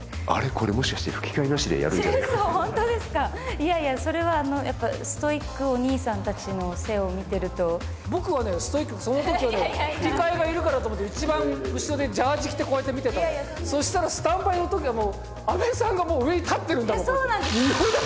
これもしかして吹き替えなしでやるんじゃねえかいやいやそれはやっぱストイックお兄さん達の背を見てると僕はねその時はね吹き替えがいるからと思って一番後ろでジャージ着てこうやって見てたのそしたらスタンバイの時はもうそうなんですよ